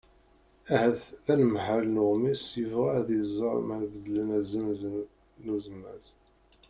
ahat d anemhal n uɣmis yebɣa ad iẓer ma beddlen azemz n uzmaz